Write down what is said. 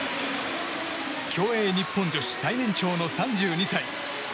競泳日本女子最年長の３２歳。